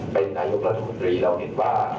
เป็นนายกรัฐมนตรีเราเห็นว่า